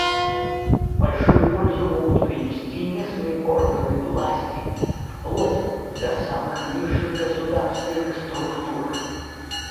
Большую пользу могут принести местные органы власти, вплоть до самых низших государственных структур.